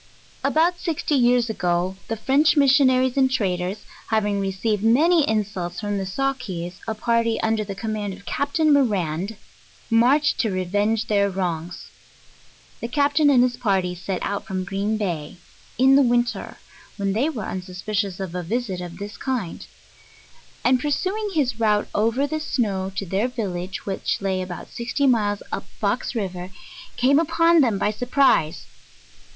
About sixty years ago, the French missionaries and tra ders, having received many insults from the Sawkees, a par ty under the command of Capt. Morand, marched to revenge their wrongs. The Captain and his party set out from Green Bay, in the winter, when they were unsuspicious of a visit of this kind; and pursuing his route over the snow to 'their village, which, lay about 60 miles up Fox river, came APPENDIX. 235 upon them by surprise.